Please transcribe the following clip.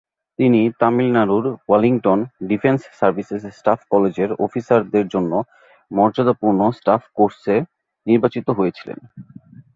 তিনি তামিলনাড়ুর Wellington, defence services staff কলেজের অফিসারদের জন্য মর্যাদাপূর্ণ স্টাফ কোর্সে নির্বাচিত হয়েছিলেন।